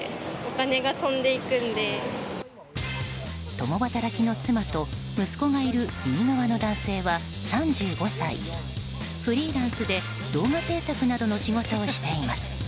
共働きの妻と息子がいる右側の男性は３５歳、フリーランスで動画制作などの仕事をしています。